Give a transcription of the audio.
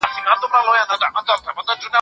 وخت تنظيم کړه!